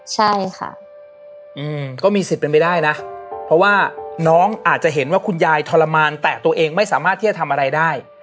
ใช่ค่ะก็มีสิทธิ์เป็นไปได้นะเพราะว่าน้องอาจจะเห็นว่าคุณยายทรมานแต่ตัวเองไม่สามารถที่จะทำอะไรได้